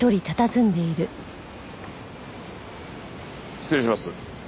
失礼します。